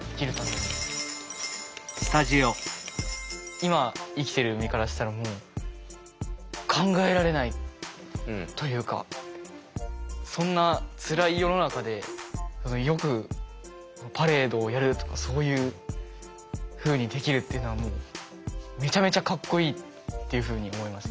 今生きてる身からしたらもう考えられないというかそんなつらい世の中でよくパレードをやるとかそういうふうにできるっていうのはもうめちゃめちゃかっこいいっていうふうに思いました。